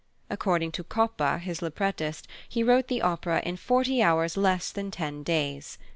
According to Coppa, his librettist, he wrote the opera in "forty hours less than ten days."